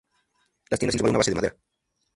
Las tiendas se levantan sobre una base de madera.